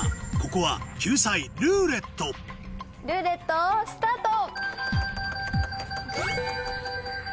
ここは救済「ルーレット」ルーレットスタート！